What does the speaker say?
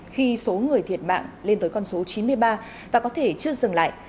khi số người thiệt mạng lên tới con số chín mươi ba và có thể chưa dừng lại